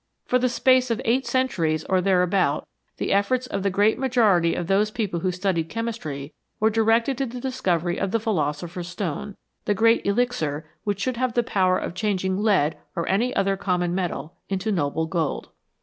For the 23 THE PHILOSOPHER'S STONE space of eight centuries or thereabout the efforts of the great majority of those people who studied chemistry were directed to the discovery of the Philosopher's Stone the Great Elixir which should have the power of changing lead or any other common metal into the noble gold.